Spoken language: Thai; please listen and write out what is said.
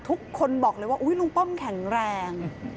ทุกคนบอกเลยว่าลุงป้อมแข็งแรง